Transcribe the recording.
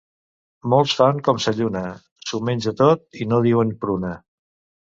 Molts fan com sa lluna: s'ho menja tot i no diuen pruna.